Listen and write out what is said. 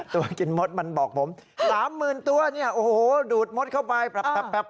ตัวกินมดมันบอกผม๓๐๐๐ตัวเนี่ยโอ้โหดูดมดเข้าไปปรับ